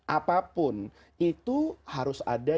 apapun itu harus ada